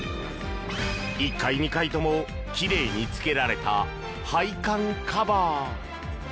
１階、２階ともきれいにつけられた配管カバー。